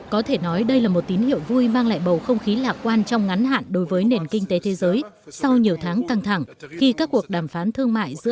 có thể nói đây là một tín hiệu vui mang lại bầu không khí lạc quan trong ngắn hạn đối với nền kinh tế thế giới